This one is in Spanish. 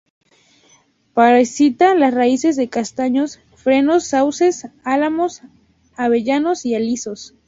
Parasita las raíces de castaños, fresnos, sauces, álamos, avellanos y alisos.